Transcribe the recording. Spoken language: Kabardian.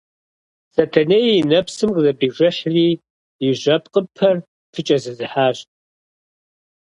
Сэтэней и нэпсым къызэпижыхьри и жьэпкъыпэр пыкӀэзызыхьащ.